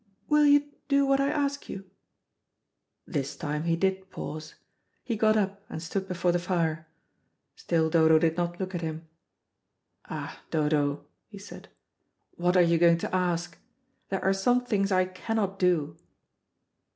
"Will you do what I ask you?" This time he did pause. He got up and stood before the fire. Still Dodo did not look at him. "Ah, Dodo," he said, "what are you going to ask? There are some things I cannot do."